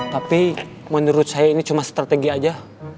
tapi menurut saya ini cuma strategi aja